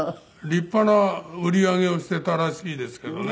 立派な売り上げをしていたらしいですけどね。